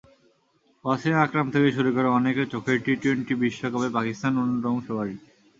ওয়াসিম আকরাম থেকে শুরু করে অনেকের চোখেই টি-টোয়েন্টি বিশ্বকাপে পাকিস্তান অন্যতম ফেবারিট।